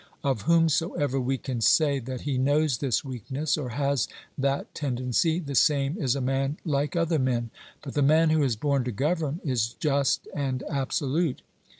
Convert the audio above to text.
Of whomsoever we can say that he knows this weakness or has that tendency, the same is a man like other men. But the man who is born to govern is just and absolute.